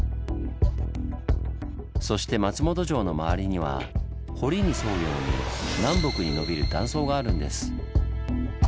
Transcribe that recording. そして松本城の周りには堀に沿うように南北にのびる断層があるんです。